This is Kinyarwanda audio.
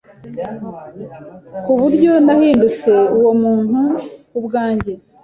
kuburyo nahindutse uwo muntu kubwanjye.